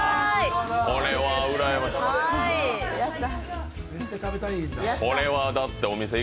これはうらやましい。